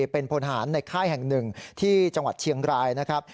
เป็นพลหารในค่ายแห่งหนึ่งที่จังหวัดเชียงรายนะครับ